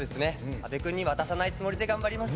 阿部君に渡さないつもりで頑張ります。